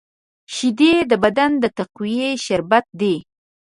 شیدې د بدن د تقویې شربت دی